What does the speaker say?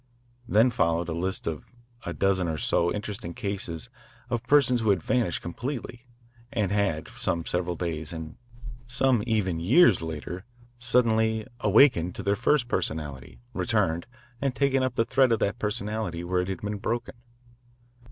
Then followed a list of a dozen or so interesting cases of persons who had vanished completely and had, some several days and some even years later, suddenly "awakened" to their first personality, returned, and taken up the thread of that personality where it had been broken.